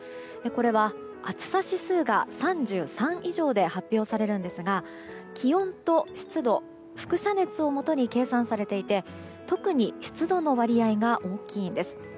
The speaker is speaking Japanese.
これは暑さ指数が３３以上で発表されるんですが気温と湿度、輻射熱をもとに計算されていて特に湿度の割合が大きいんです。